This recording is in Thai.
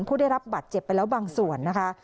ผู้ได้รับบัตรเจ็บไปแล้วบางส่วนนะคะ